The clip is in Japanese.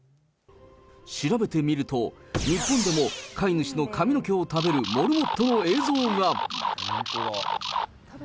調べてみると、日本でも飼い主の髪の毛を食べるモルモットの映像が。